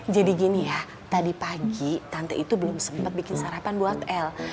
jadi gini ya tadi pagi tante itu belum sempet bikin sarapan buat el